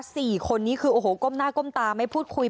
สี่คนนี้คือโอ้โหก้มหน้าก้มตาไม่พูดคุย